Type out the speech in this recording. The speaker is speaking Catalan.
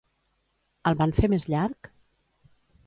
El van fer més llarg?